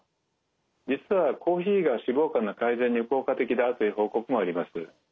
実はコーヒーが脂肪肝の改善に効果的であるという報告もあります。